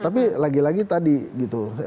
tapi lagi lagi tadi gitu